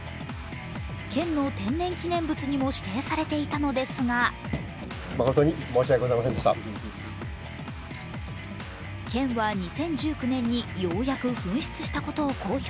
県の天然記念物にも指定されていたのですが県は２０１９年にようやく紛失したことを公表。